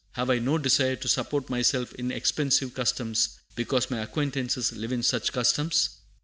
Have I no desire to support myself in expensive customs, because my acquaintances live in such customs?